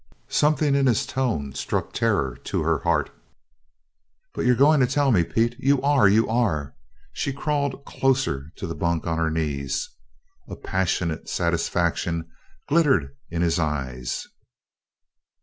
Something in his tone struck terror to her heart. "But you're going to tell me, Pete? You are! You are!" She crawled closer to the bunk, on her knees. A passionate satisfaction glittered in his eyes.